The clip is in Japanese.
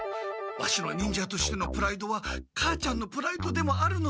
ワシの忍者としてのプライドは母ちゃんのプライドでもあるのだ！